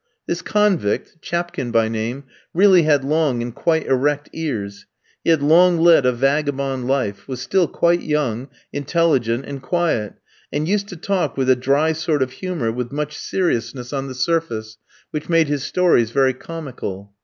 This convict, Chapkin by name, really had long and quite erect ears. He had long led a vagabond life, was still quite young, intelligent, and quiet, and used to talk with a dry sort of humour with much seriousness on the surface, which made his stories very comical.